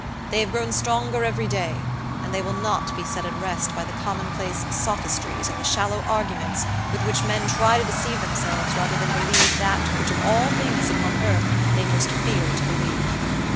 They have grown stronger every day; and they will not be set at rest by the commonplace sophistries and the shallow arguments with which men try to deceive themselves rather than believe that which of all things upon earth they most fear to believe.